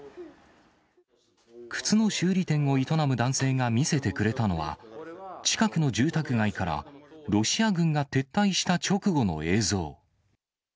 靴の修理店を営む男性が見せてくれたのは、近くの住宅街からロシア軍が撤退した直後の映像。